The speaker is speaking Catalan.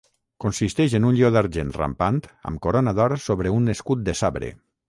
Consisteix en un lleó d'argent rampant amb corona d'or sobre un escut de sabre.